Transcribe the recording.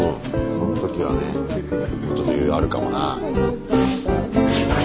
その時はねもうちょっと余裕あるかもな。